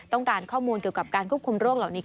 ต้องการข้อมูลเกี่ยวกับการควบคุมโรคเหล่านี้